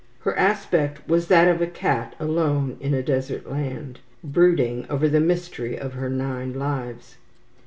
Her aspect was that of a cat alone in a desert land, brooding over the mystery of her nine lives.